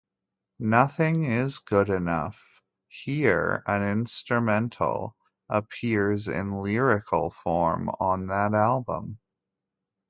"Nothing Is Good Enough", here an instrumental, appears in lyrical form on that album.